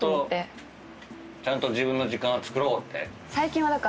ちゃんと自分の時間をつくろうって。